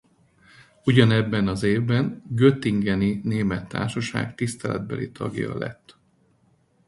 Ugyanebben az évben göttingeni Német Társaság tiszteletbeli tagja lett.